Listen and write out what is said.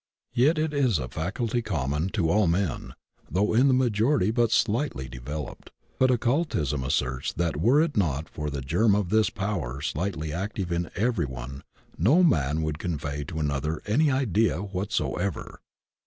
Yet it is a faculty common to all men, though in the majority but slightly de veloped; but occultism asserts that were it not for the germ of this power sUghtly active in every one no man could convey to another any idea whatsoever.